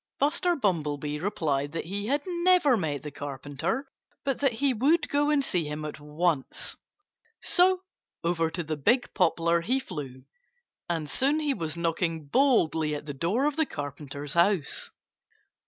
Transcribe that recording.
Buster Bumblebee replied that he had never met the Carpenter, but that he would go and see him at once. So over to the big poplar he flew. And soon he was knocking boldly at the door of the Carpenter's house.